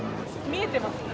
見えてますか？